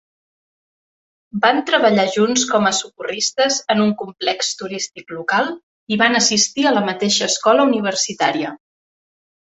Van treballar junts com a socorristes en un complex turístic local i van assistir a la mateixa escola universitària.